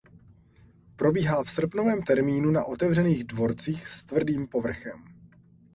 Probíhá v srpnovém termínu na otevřených dvorcích s tvrdým povrchem.